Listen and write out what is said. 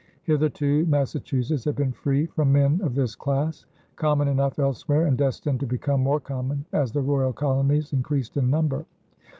Hitherto Massachusetts had been free from men of this class, common enough elsewhere and destined to become more common as the royal colonies increased in number.